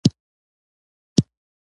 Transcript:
احمد له کاره ځان وکيښ.